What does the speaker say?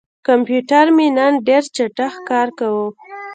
کمپیوټر مې نن ډېر چټک کار کاوه.